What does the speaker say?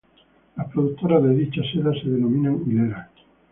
Las productoras de dicha seda se denominan hileras.